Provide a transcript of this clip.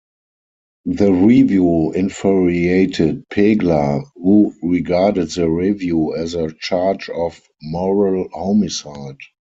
The review infuriated Pegler, who regarded the review as a charge of "moral homicide".